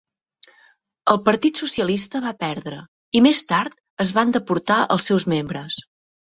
El partit socialista va perdre i, més tard, es van deportar els seus membres.